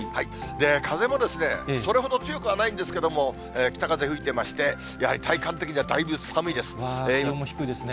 風もですね、それほど強くはないんですけれども、北風吹いていまして、やはり体感的にはだいぶ寒気温も低いですね。